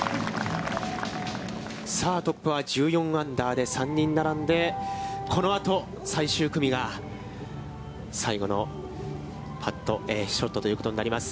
さあトップは１４アンダーで３人並んで、このあと、最終組が最後のパット、ショットということになります。